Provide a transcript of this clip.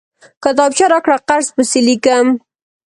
کتابچه راکړه، قرض پسې ليکم!